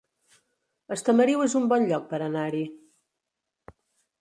Estamariu es un bon lloc per anar-hi